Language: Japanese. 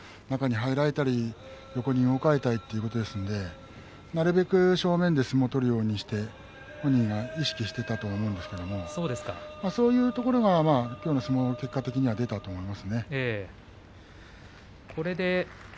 ２番、中に入られたり横に動かれたりということがありましたからなるべく正面で相撲を取るように本人は意識していたと思うんですがそういうところがきょうの相撲に、結果的には出たと思います。